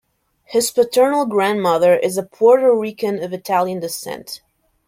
His Paternal Grandmother is a Puerto Rican of Italian descent.